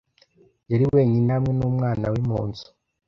Yari wenyine hamwe n’umwana we mu nzu.